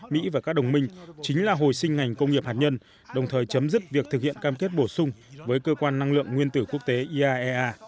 mỹ và các đồng minh chính là hồi sinh ngành công nghiệp hạt nhân đồng thời chấm dứt việc thực hiện cam kết bổ sung với cơ quan năng lượng nguyên tử quốc tế iaea